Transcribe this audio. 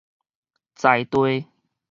在地